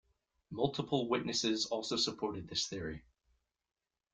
Multiple witnesses also supported this theory.